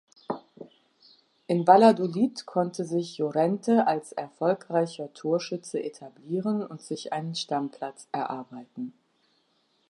In Valladolid konnte sich Llorente als erfolgreicher Torschütze etablieren und sich einen Stammplatz erarbeiten.